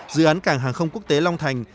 dự án cảng hàng không quốc tế long thành